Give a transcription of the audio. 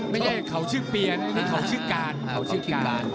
ไม่ใช่คราวชื่อก้านคราวชื่อเปียร